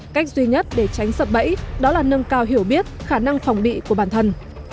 cách duy nhất để tránh sập bẫy đó là nâng cao hiểu biết khả năng phòng bị của bản thân